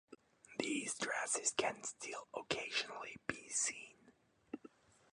These dresses can still occasionally be seen.